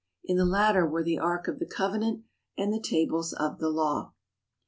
In the latter were the Ark of the Covenant and the Tables of the Law.